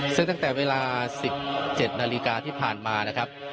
ซึ่งตั้งแต่เวลา๑๗นาฬิกาที่ผ่านมานะครับ